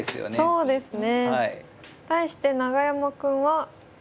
そうですね。